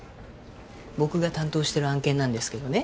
僕が担当してる案件なんですけどね